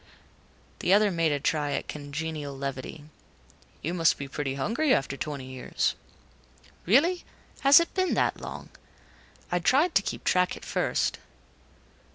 The other made a try at congenial levity. "You must be pretty hungry after twenty years." "Really has it been that long? I tried to keep track at first...."